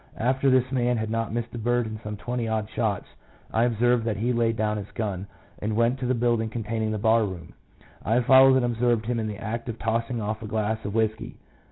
After this man had not missed a bird in some twenty odd shots, I observed that he laid down his gun, and went to the building containing the bar room; I followed and observed him in the act of tossing off a glass of whisky.